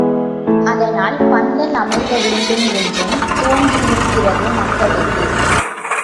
அதனால் பந்தல் அமைக்க வேண்டும் என்றும் தோன்றியிருக்கிறது, மக்களுக்கு.